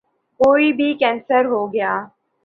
کو بھی کینسر ہو گیا ؟